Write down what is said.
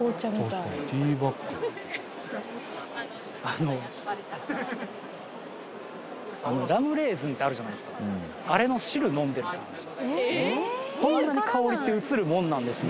あのラムレーズンってあるじゃないすかあれの汁飲んでる感じもんなんですね